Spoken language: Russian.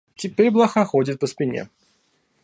Теперь блоха ходит по спине.